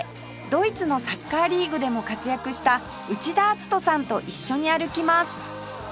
ドイツのサッカーリーグでも活躍した内田篤人さんと一緒に歩きます